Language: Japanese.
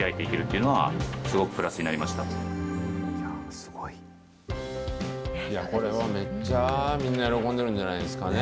すごい。いや、これはめっちゃみんな喜んでるんじゃないですかね。